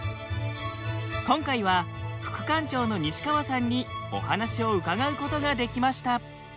今回は副館長の西川さんにお話を伺うことができました。